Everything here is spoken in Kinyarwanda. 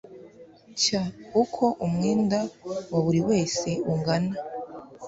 cy uko umwenda wa buri wese ungana